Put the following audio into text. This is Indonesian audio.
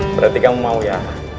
berarti kamu mau ya